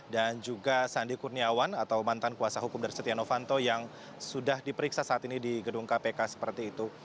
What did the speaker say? dan juga sandi kurniawan atau mantan kuasa hukum dari setianov fanto yang sudah diperiksa saat ini di gedung kpk seperti itu